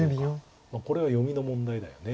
これは読みの問題だよね。